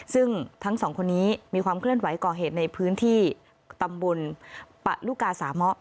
ซึ่งทั้งสองคนนี้มีความเคลื่อนไหวก่อเหตุในพื้นที่ตำบลปะลุกาสามะ